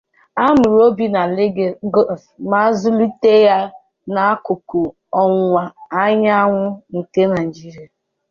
A mụrụ Oby na Lagos ma zụlite ya n'akụkụ ọwụwa anyanwụ nke Naijiria.